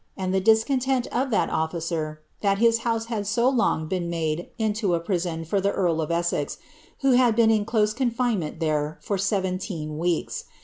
and the discontent of (hat officer that his hou^e been made into a prison for the earl of Essex, who had hna in close coufinenient there for seventeen weeks.